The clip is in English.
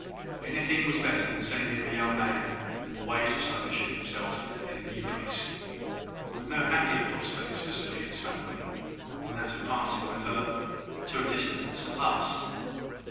Anything was better than sending the young man away to establish himself in a new place, with no happier prospects to Sophia's family than that of parting with her to a distance at last.